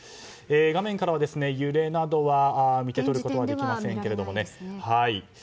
画面からは揺れなどは見て取ることはできませんけれども。